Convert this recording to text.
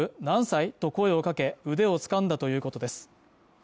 何歳？と声をかけ腕をつかんだということです